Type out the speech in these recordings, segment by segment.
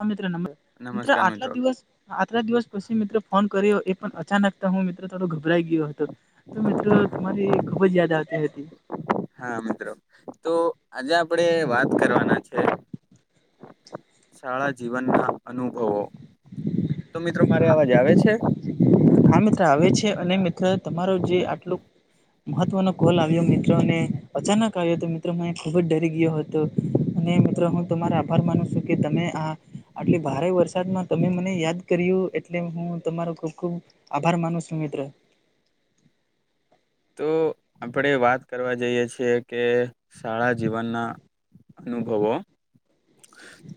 હા મિત્ર નમસ્ મિત્ર નમસ્કાર આટલા મિત્રો દિવસ આટલા દિવસ પછી મિત્રો ફોન કર્યો એ પણ અચાનક તો હું મિત્રો થોડો ગભરાઈ ગયો હતો. તો મિત્રો તમારી ખુબ જ યાદ આવતી હતી. હા મિત્રો તો આજે આપણેે વાત કરવાના છે. શાળા જીવન ના અનુભવો તો મિત્રો મારે અવાજ આવે છે? હા મિત્ર આવે છે અને મિત્ર તમારો જે આટલું મહત્વનો કોલ આવ્યો મિત્રો ને અચાનક આવ્યો હતો મિત્રો મ ખુબ જ ડરી ગયો હતો. તો અને મિત્રો હું તમારો આભાર માનું છું કે તમે આ આટલે ભારે વરસાદમાં તમે મને યાદ કર્યું એટલે હું તમારો ખૂબ ખૂબ આભાર માન છું મિત્ર. તો આપણે વાત કરવા જઈએ છીએ કે શાળા જીવનના અનુભવો.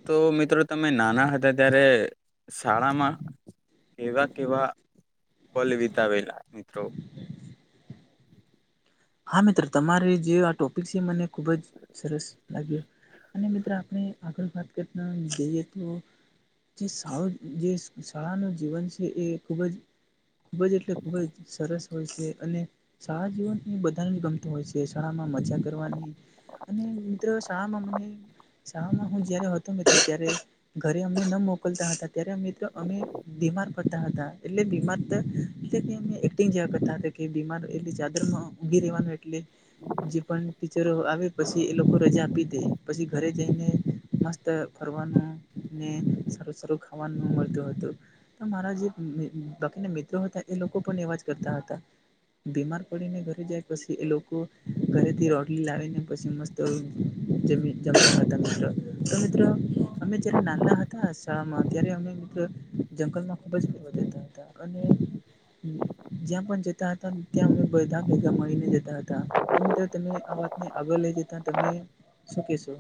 તો મિત્રો તમે નાના હતા ત્યારે શાળામાં કેવા કેવા પલ વિતાવેલા મિત્રો. હા મિત્ર તમારી જે આ ટોપિક છે મને ખુબ જ સરસ લાગ્યું. અને મિત્ર આપણે આગળ વાત કરતા જઈએ તો જે સારું જે શાળાનું જીવન છે એ ખૂબ જ ખૂબ જ એટલે ખૂબ જ સરસ હોય છે અને સારા જીવન એ બધાને ગમ તું હોય છે શાળા માં મજા કરવાની અને મિત્ર શાળામાં મને શામાં હું જયારે હતો મિત્ર ત્યારે ઘરે અમને ન મોકલતા હતા ત્યારે મિત્ર અમે બીમાર પરતા હતા એટલે બીમાર તો એટલે એમને એક્ટિંગ જેવા કરતા હતા કે બીમાર એટલે ચાદરમાં ઉગી રહેવાનું એટલે જે પણ ટીચરો આવે પછી એ લોકો રજા આપી દે પછી ઘરે તેને મસ્ત ફરવાનું ને સારું સારું ખાવાનું મળતું હતું. મારા જે બાકીના મિત્રો હતા એ લોકો પણ એવાજ કરતા હતા. બીમાર પડીને ઘર જાય પછી એ લોકો ઘરેથી રોટલી લાવી ને પછી મસ્ત જેમી જમતા હતા મિત્ર તો મિત્ર અમે જ્યારે નાના હતા શાળામાં ત્યારે અમે જંગલમાં ખૂબ જ ફરવા જતા હતા અને જ્યાં પણ જતા હતા ત્યાં અમે બધા ભેગા મળીને જતા હતા તમે ત તમે આ વાતને આગળ લઈ જતા તમે શું કેશો?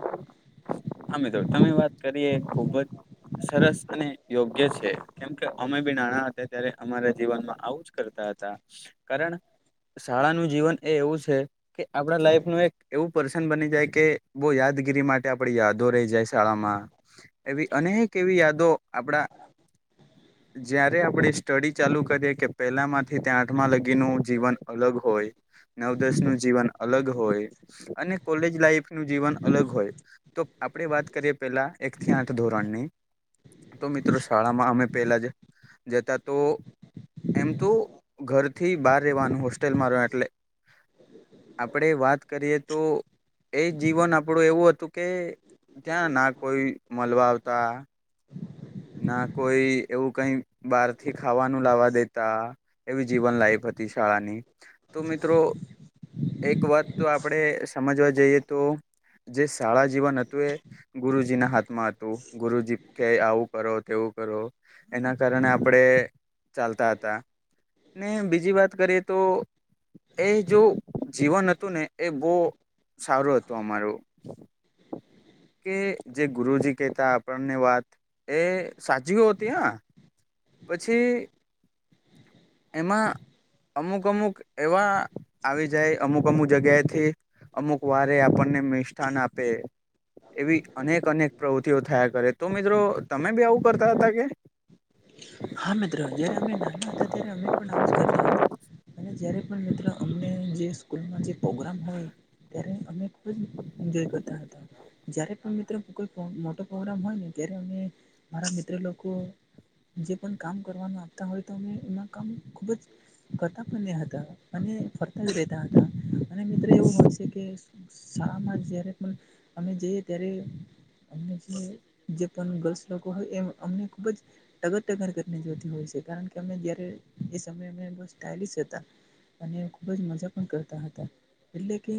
હા મિત્ર તમે વાત કરીએ ખુબ જ સરસ અને યોગ્ય છે. કેમ કે અમે બી નાણા હતા ત્યારે અમારા જીવનમાં આવું જ કરતા હતા કારણ શાળાનું જીવન એ એવું છે. કે આપણા લાઈફ નું એક એવું પર્સન બની જાય કે બહુ યાદગીરી માટે આપણે યાદ [unintelligible] જાય શાળામાં એવી અનેક એવી યાદો આપડા જયારે આપણે સ્ટડી ચાલુ કરીએ કે પેલામાં થી ત્યાં આઠમા લગી નું જીવન અલગ હોય નવદસ નું જીવન અલગ હોય. અને કોલેજ લાઈફ નું જીવન અલગ હોય. તો આપણે વાત કરીએ પેલા એક થી આઠ ધોરણ ની તો મિત્ર શાળામાં અમે પેલા જ જતા તો એમ તો ઘરથી બહાર રહેવાનું હોસ્ટેલમાં રહેવાનું એટલે આપણે વાત કરીએ તો એ જીવન આપણું એવું હતું કે ત્યાં ના કોઈ મળવા આવતા ના કોઈ એવું કઈ બહારથી ખાવાનું લાવા દેતા. એવી જીવન લાઈફ હતી શાળાની તો મિત્રો એક વાત તો આપણે સમજવા જઈએ તો જે શાળા જીવન હતું એ ગુરુજીના હાથમાં હતું ગુરુજી કે આવું કરો તેવું કરો એના કારણે આપડે ચાલતા હતા. ને બીજી વાત કરીએ તો એ જો જીવન હતું ને એ બહુ સારું હતું અમારું. કે જે ગુરુજી કેતા આપણને વાત એ સાચ હતી હા, પછી એમાં અમુક અમુક એવા આવી જાય અમુક અમુક જગ્યાએથી અમુક વારે આપણને મિષ્ઠાન આપે એવી અનેક અનેક પ્રવૃતિઓ થયા કરે તો મિત્રો તમે બી આવું કરતા હતા કે હા મિત્રો જયારે અમે નાના હતા ત્યારે અમે પણ આવુ જ કરતા હતા અને જય્યારે પણ મિત્ર અમને જે સ્કૂલમાં જે પ્રગ્રામ હોય ત્યારે અમે બી એન્જોય કરતા હતા જ્યારે પણ મિત્રો કોઈ મોટો પ્રોગ્રામ હોય ને ત્યારે અમે મારા મિત્ર લોકો જે પણ કામ કરવાનું આપતા હોય તો અમે એમાં કામ ખુબ જ કરતા પણ હતા અને ફરતા જ દેતા હતા અને મિત્ર એવું મળશે કે શાળા માં જયારે પણ અમે જઈએ ત્યારે આ જે પણ ગર્લ્સ લોકો હોય એમ અમને ખુબ જ ટગર ટગર કરીને જોતી હોય છે કારણ કે અમે જય્યારે એ સમયે અમે બોવ સ્ટાઇલિસ હતા અને ખુબ જ મજા પણ કરતા હતા એટલે કે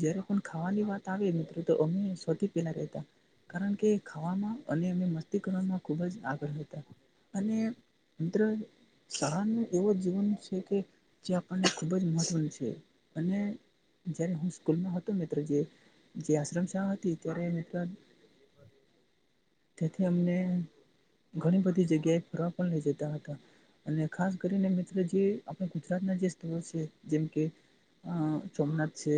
જયારે પણ ખાવાની વાત આવે મિત્રો તો અમે સૌથી પેલા રહેતા કારણ કે ખાવામાં અને એને મસ્તી કરવામાં ખૂબ જ આગળ હતા અને મિત્ર શાળા નું એવુ જીવન છે કે જે આપણને ખૂબ જ મહત્વનું છે અને જયારે હું સ્કૂલમાં હતો મિત્ર જે જે આશ્રમ શાળા હતી ત્યારે તેથી અમને ઘણી બધી જગ્યાએ ફરવા પણ લઇ જતા હતા અને ખાસ કરીને મિત્ર જે આપણા ગુજરાતના જે સ્થળ છે જેમ કે હ સોમનાથ છે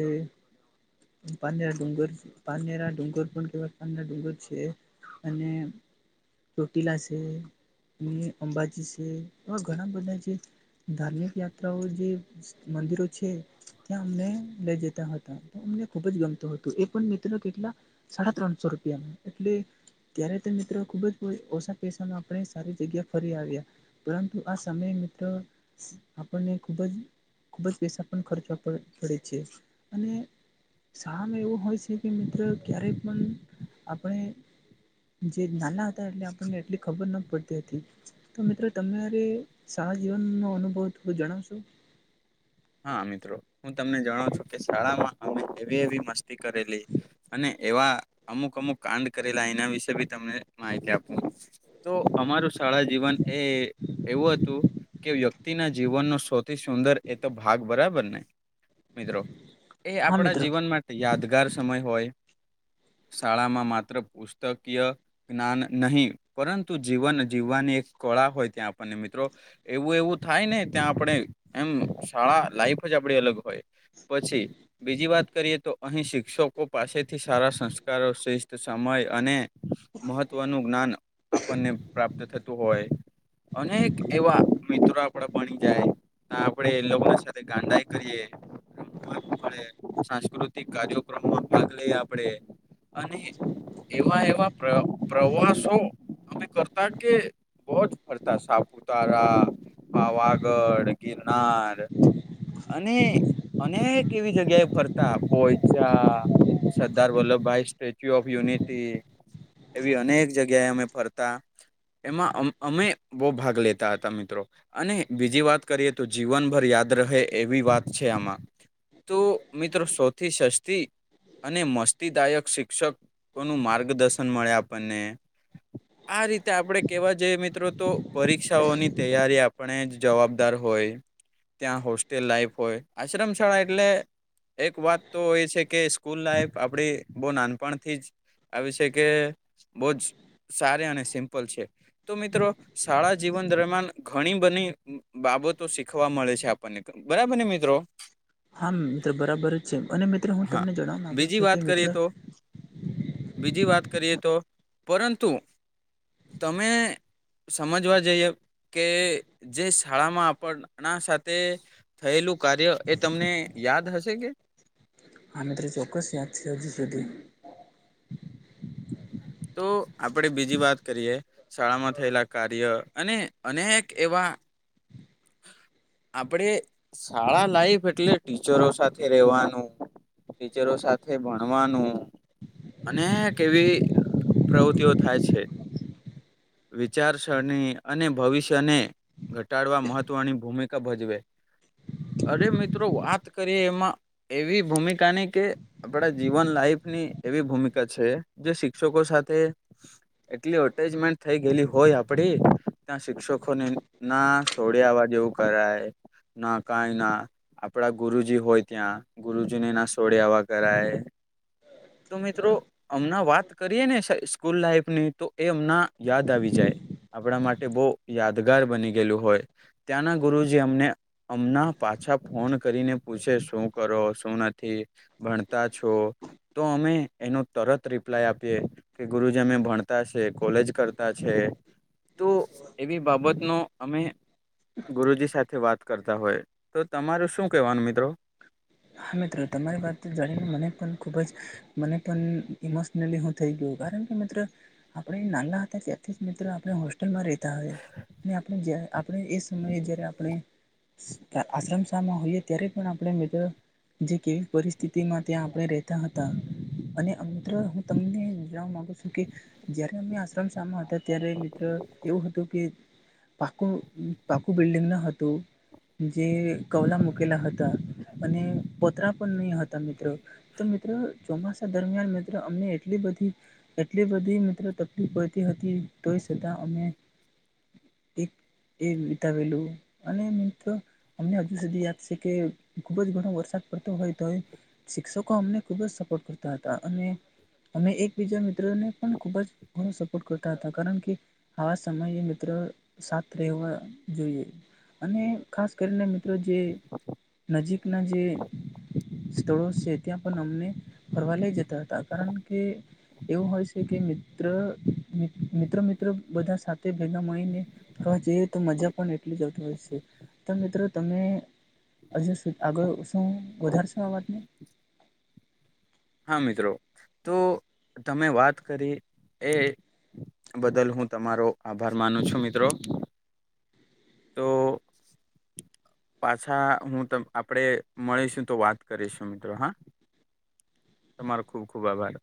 પાનેરા ડુંગર પાનેરા ડુંગર પણ કેવાય પા ડુંગર છે. અને ચોટીલા છે અંબાજી છે એવા ઘણા બધા છે ધાર્મિક યાત્રાઓ જે મંદિરો છે. ત્યાં અમને લઈ જતા હતા અમને ખુબ જ ગમતું હતું એ પણ મિત્રો કેટલા સાડા ત્રણસો રૂપિયામાં એટલે ત્યારે તો મિત્રો ખુબ જ ઓછા પૈસા માં આપણે સારી જગ્યા ફરી આવીએ પરંતુ આ સમયે મિત્ર આપણને ખુબ જ ખુબ જ પૈસા પણ ખર્ચવા પ પડે છે અને શાળા માં એવું હોય છે કે મિત્ર ક્યારેય પણ આપણે જે નાના હતા એટલે આપણને એટલી ખબર ના પડતી હતી તો મિત્રો તમારે શાળા જીવનનો અનુભવ થોડો જણાવશો હા મિત્રો હું તમને જણાવ છું કે શાળામાં અમે એવી એવી મસ્તી કરેલી અને એવા અમુક અમુક કાંડ કરેલા એના વિશે બી તમને માહિતી આપો તો અમારું શાળા જીવન એ એવું હતું કે વ્યક્તિ વ્યક્તિ ના જીવનનો સૌથી સુંદર એ તો ભાગ બરાબર ને મિત્રો એ હા આપણા મિત્ર જીવન માટે યાદગાર સમય હોય શાળામાં માત્ર પુસ્તકીય જ્ઞાન નહીં પરંતુ જીવન જીવવાની એક કળા હોય ત્યાં આપણને મિત્રો એવું એવું થાય ને ત્યાં આપણે એમ શાળા લાઈફ જ આપડી અલગ હોય પછી બીજી વાત કરીએ તો અહીં શિક્ષકો પાસેથી સારા સંસ્કારો શિષત સમય અને મહત્વનું જ્ઞાન આપણને પ્રાપ્ત થતું હોય અનેક એવા મિત્રો આપડે ભણી જાય આપડે એ લોકો સાથે ગાંડાઈ કરીએ મળે સાંસ્કૃતિક કાર્યક્રમમાં ભાગ લઈ આપડે અને એવા એવા પ્રવાસો અમે કરતા કે બહુજ ફરતા સાપુતારા પાવાગઢ ગિનાર [inaudible] [unintelligible] અને અને કેવી જગ્યાએ ફરતા પોચા [unintelligible] [inaudible] સરદાર વલ્લભભાઈ સ્ટેચ્યુ ઓફ યુનિટી એવી અનેક જગ્યાએ અમે ફરતા. એમાં અમે બહુ ભાગ લેતા હતા મિત્રો અને બીજી વાત કરીએ તો જીવન. ભર યાદ રહે એવી વાત છે આમાં તો મિત્રો સૌથી સસ્તી. અને મસ્તીદાયક શિક્ષકો ન માર્ગદર્શન મળે આપણને. આ રીતે આપણેે કેવા જઈએ મિત્રો તો. પરીક્ષાઓની તૈયારી આપણે જ જવાબદાર હોય. ત્યાં હોસ્ટેલ લાઈફ હોય આશ્રમ શાળા એટલે. એક વાત તો એ છે કે સ્કૂલ લાઈફ આપડી બહુ નાનપણથી જ. આવીષ કે બહ જ સાર અને સિમ્પલ છે. તો મિત્રો શાળા જીવન દરમિયાન ઘણી બધની બાબતો. ખવા મળે છે આપણને બરાબર ને મિત્રો. હા મિત્રો બરાબર જ છે અને મિત્રો હું હા તમને જણવા માગુ બીજી છું કે વાત મિત્ર. કરીએ તો બીજી વાત કરીએ તો પરંતુ તમે. સમજવા જઈએ કે જે શાળામાં આપણના સાથે. થયેલું કાર્ય એ તમને યાદ હશે કે. આ ત્રી ચોક્કસ યાદ હજીુ સુધી. તો આપણેે બીજી વાત કરીએ શાળામાં થયેલા કાર્ય અને અનેક એવા. આપણે શાળા લાઈફ એટલે ટીચરો સાથે રહેવાનું. ટીચરો સાથે ભણવાનું. અને કેવી પ્રવૃતિઓ થાય છે. વિચારસરણી અને ભવિષ્યને ઘટાડવા મહત્. તો આણી ભૂમિકા ભજવે. અરે મિત્રો વાત કરીએ એમાં એવી ભૂમિકાની કે. આપણા જીવન લાઈફની એવી ભૂમિકા છે જે શિક્ષકો સાથે. એટલી અટેચમેન્ટ થઈ ગયલી હોય આપડી ત્યાં શિક્ષકોને નાો. બે અવાજ એવું કરાય ના કઈ ના. આપડા ગુરુજી હોય ત્યાં ગુરુજીને ના છોડેવા કરાય. તો મિત્રો. અમણા વાત કરીએ ને સ્કૂલ લાઈફની તો એ અમના યાદ આવી જાય. આપણા માટે બહુ યાદગાર બની ગયેલું હોય ત્યાંના ગુરુજી અમને. હમણા પાછા ફોન કરીને પૂછે શું કરો શું નથી. ભણતા છો તો અમે એનો તરત રિપ્લાય આપીએ. કે ગુરુજી અમે ભણતા છે કોલેજ કરતા છે. તો એવી બાબતનો અમે. ગુરુજી સાથે વાત કરતા હોય તો તમારું શું કહેવાનું મિત્રો. હા મિત્રો તમારી વાત જાણીને મને પણ ખૂબ જ મને પણ ઇમો. ું થઈ ગયું કારણ કે મિત્ર આપણે નાલા હતા ત્યાંથી મિત્રો આપ. હોલમાં રહેતા હોય અનેણે આપણે એ સમયે જ્યારે આપણે. આશ્રમ શાહમાં હોઈએ ત્યારે પણ આપણે મિત્ર. જે કેવી પરિસ્થિતિમાં ત્યાં આપણે રહેતા હતા. અને હું તમને જણવા માંગુ છું કે જયારે અમે આશ્રમ સામ હતા અત્યારે મિત્ર એવું હતું કે પાકું પાકું બિલ્ડિંગ ન હતું. જે કવલા મૂકેલા હતા અને. પોતરા પણ નહીં હતા મિત્રો તો મિત્રો ચોમાસા દરમિયાન મિત્રો અમને એટલી બધી. એટલી બધી મિત્રો તકલીફ પડતી હતી તોય સતાા અમે. એ વિતાવેલું અને મિત્રો. અમને હજુ સુધી યાદ છે કે ખુબ જ ઘણો વરસાદ. હોય તો શિક્ષકો અમને ખુબ જ સપોર્ટ કરતા હતા અને અમે એક બીજા મિત્રોને પણ ખૂબ જ ઘણો સપોર્ટ કરતા હતા કારણ કે આવા સમયે મિત્રો સા રહેવા જોઈએ અને ખાસ કરીને મિત્રો જે નજીકના જે સ્થળો છે ત્યાં પણ અમને ફરવા લઈ જતા હતા કારણ કે એવું હોય છે કે મિત્ર મિત્ર મિત્ર બધા સાથે ભેગા મળીને હ જઈએ તો મજા પણ એટલી જ આવતી હોય છે તો મિત્રો તમે હજુ આગળ શું વધારશો આ વાતને હા મિત્રો તો તમે વાત કરી એ બદલ હું તમારો આભાર માનું છું મિત્રો તો પાછા હું ત આપડે મળીશું તો વાત કરીશું મિત્રો હા તમારો ખૂબ ખૂબ આભાર